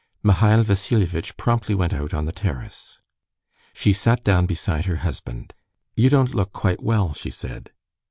Mihail Vassilievitch promptly went out on the terrace. She sat down beside her husband. "You don't look quite well," she said.